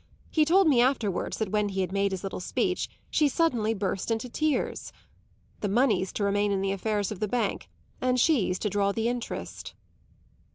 He told me afterwards that when he had made his little speech she suddenly burst into tears. The money's to remain in the affairs of the bank, and she's to draw the interest."